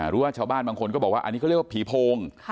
หรือว่าชาวบ้านบางคนก็บอกว่าอันนี้เขาเรียกว่าผีโพง